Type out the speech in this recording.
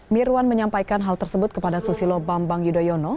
mirwan menyampaikan hal tersebut kepada susilo bambang yudhoyono